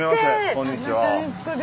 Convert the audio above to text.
こんにちは。